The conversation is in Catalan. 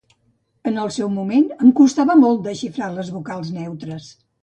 En el seu moment em costava molt desxifrar les vocals neutres.